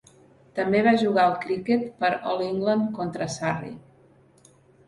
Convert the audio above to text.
També va jugar al criquet per a All England contra Surrey.